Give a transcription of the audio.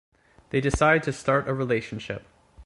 They decide to start a relationship.